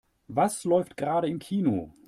Was läuft gerade im Kino?